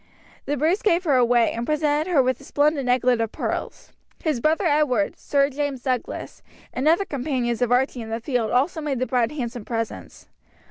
The Bruce gave her away, and presented her with a splendid necklet of pearls. His brother Edward, Sir James Douglas, and other companions of Archie in the field also made the bride handsome presents.